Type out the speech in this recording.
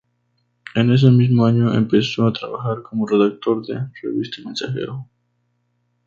En ese mismo año empezó a trabajar como redactor de "Revista Mensajero".